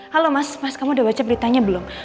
halo mas mas kamu udah baca beritanya belum